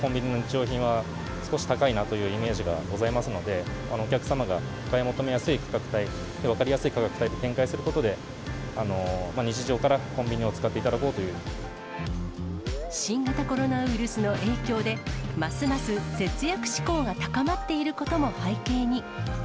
用品は少し高いなというイメージがございますので、お客様がお買い求めやすい価格帯で、分かりやすい価格帯で展開することで、日常からコンビニを使って新型コロナウイルスの影響で、ますます節約志向が高まっていることも背景に。